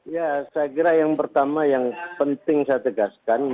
ya saya kira yang pertama yang penting saya tegaskan